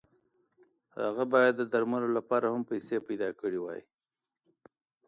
هغه باید د درملو لپاره هم پیسې پیدا کړې وای.